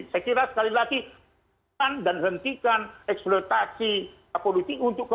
saya kira sekali lagi dan hentikan eksploitasi politik